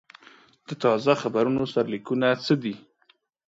د تازه خبرونو سرلیکونه څه دي؟